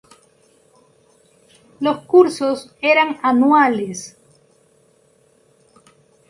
Los cursos eran anuales.